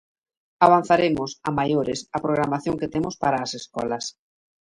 Avanzaremos, a maiores, a programación que temos para as escolas.